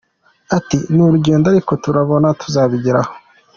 Ati “Ni urugendo ariko turabona tuzabigeraho.